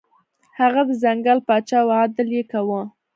هغه د ځنګل پاچا و او عدل یې کاوه.